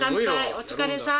お疲れさん。